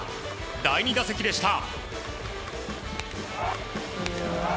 第２打席でした。